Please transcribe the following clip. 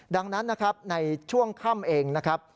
ดังนั้นนะครับในช่วงค่ำเองนะครับ